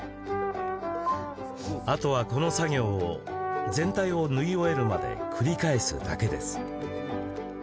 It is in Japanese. あとは、この作業を全体を縫い終えるまで繰り返すだけです。